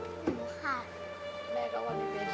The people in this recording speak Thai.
แม่เขาไม่เป็น